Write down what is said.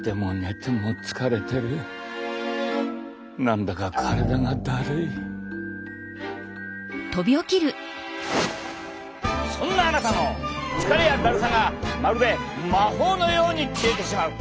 何だかそんなあなたの疲れやだるさがまるで魔法のように消えてしまう！